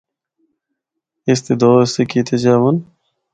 اس دے دو حصے کیتے جاون۔